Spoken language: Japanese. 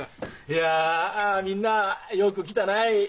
いやみんなよく来だない。